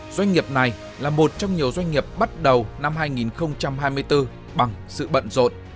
doanh nghiệp này là một trong nhiều doanh nghiệp bắt đầu năm hai nghìn hai mươi bốn bằng sự bận rộn